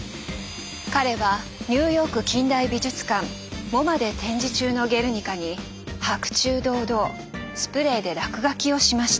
彼はニューヨーク近代美術館ＭｏＭＡで展示中の「ゲルニカ」に白昼堂々スプレーで落書きをしました。